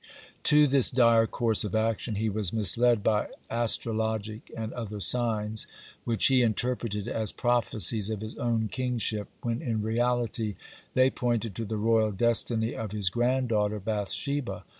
(65) To this dire course of action he was misled by astrologic and other signs, which he interpreted as prophecies of his own kingship, when in reality they pointed to the royal destiny of his granddaughter Bath sheba.